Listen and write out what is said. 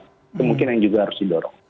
itu mungkin yang juga harus didorong